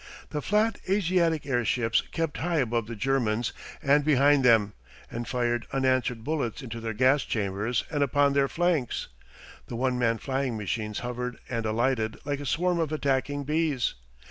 The flat Asiatic airships kept high above the Germans and behind them, and fired unanswered bullets into their gas chambers and upon their flanks the one man flying machines hovered and alighted like a swarm of attacking bees.